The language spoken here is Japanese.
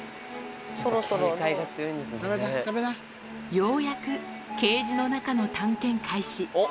ようやくケージの中の探検開始。